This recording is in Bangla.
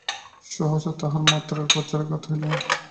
সহসা তাঁহার মাথায় বজ্রাঘাত হইল।